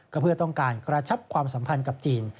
ก็เพื่อต้องการกระชับความสัมพันธ์กับจีน